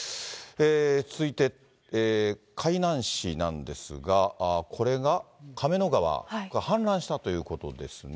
続いて、海南市なんですが、これが亀の川が氾濫したということですね。